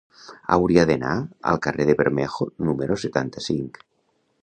Hauria d'anar al carrer de Bermejo número setanta-cinc.